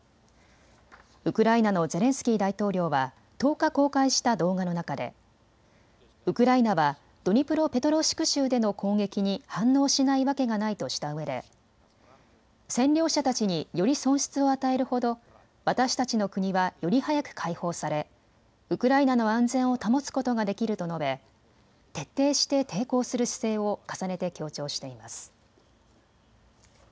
ウクライナのゼレンスキー大統領は１０日、公開した動画の中でウクライナはドニプロペトロウシク州での攻撃に反応しないわけがないとしたうえで占領者たちにより損失を与えるほど私たちの国はより早く解放されウクライナの安全を保つことができると述べ徹底して抵抗する姿勢を重ねて強調しています。